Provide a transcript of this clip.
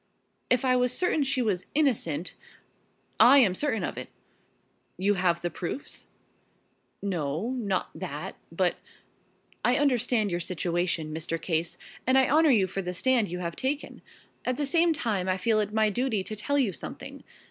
"If I was certain she was innocent " "I am certain of it." "You have the proofs?" "No, not that. But " "I understand your situation, Mr. Case, and I honor you for the stand you have taken. At the same time I feel it my duty to tell you something.